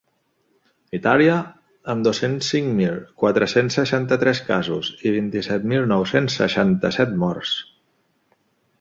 Itàlia, amb dos-cents cinc mil quatre-cents seixanta-tres casos i vint-i-set mil nou-cents seixanta-set morts.